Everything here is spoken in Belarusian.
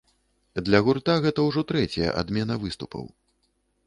Для гурта гэта ўжо трэцяя адмена выступаў.